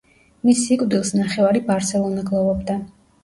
მის სიკვდილს ნახევარი ბარსელონა გლოვობდა.